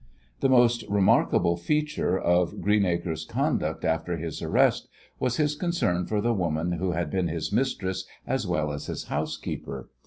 The most remarkable feature of Greenacre's conduct after his arrest was his concern for the woman who had been his mistress as well as his housekeeper.